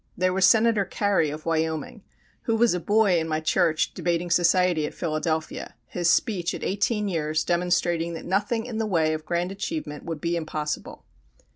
There was Senator Carey of Wyoming, who was a boy in my church debating society at Philadelphia, his speech at eighteen years demonstrating that nothing in the way of grand achievement would be impossible.